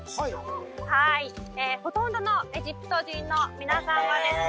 はいええほとんどのエジプト人の皆さんはですね